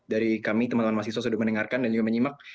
dari kami teman teman mahasiswa sudah mendengarkan dan juga menyimak